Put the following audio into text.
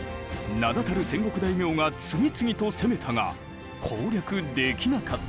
名だたる戦国大名が次々と攻めたが攻略できなかった。